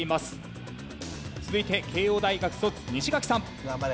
続いて慶応大学卒西垣さん。